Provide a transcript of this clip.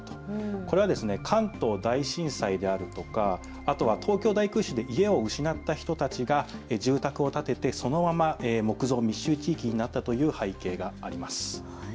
これは関東大震災であるとかあとは東京大空襲で家を失った人たちが住宅を建てて、そのまま木造密集地域になったという背景があります。